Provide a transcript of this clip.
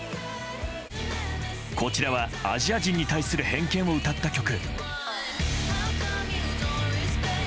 こちらは、アジア人に対する偏見を歌った曲。